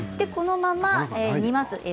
このまま煮ます。